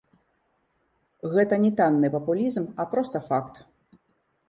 Гэта не танны папулізм, а проста факт.